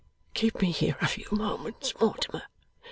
Keep me here a few moments, Mortimer.